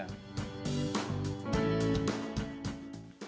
saya juga mencari tempat untuk berjalan